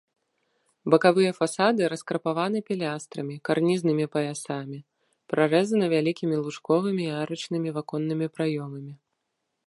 Бакавыя фасады раскрапаваны пілястрамі, карнізнымі паясамі, прарэзаны вялікімі лучковымі і арачнымі ваконнымі праёмамі.